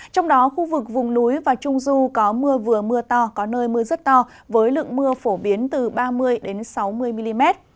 trong đó khu vực vùng núi và trung du có mưa vừa mưa to có nơi mưa rất to với lượng mưa phổ biến từ ba mươi sáu mươi mm